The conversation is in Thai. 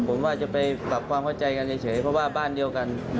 ผมว่าจะไปปรับความเข้าใจกันเฉยเพราะว่าบ้านเดียวกัน